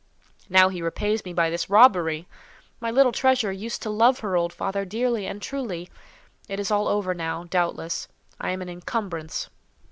Now he repays me by this robbery! My little treasure used to love her old father dearly and truly. It is all over now, doubtless—I am an incumbrance."